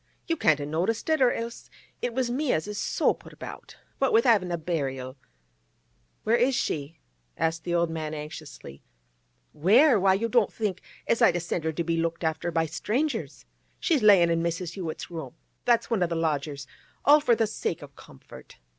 You can't a noticed it, or else it was me as is so put about. What with havin' a burial—' 'Where is she?' asked the old man anxiously. 'Where? Why, you don't think as I'd a sent her to be looked after by strangers? She's layin' in Mrs. Hewett's room—that's one o' the lodgers—all for the sake o' comfort.